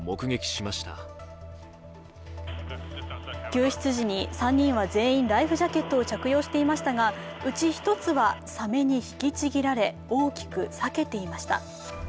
救出時に、３人は全員ライフジャケットを着用していましたがうち１つはサメに引きちぎられ大きく裂けていました。